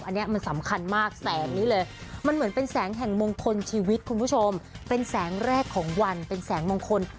อันนี้มันสำคัญมากแสงนี้เลยมันเหมือนเป็นแสงแห่งมงคลชีวิตคุณผู้ชมเป็นแสงแรกของวันเป็นแสงมงคล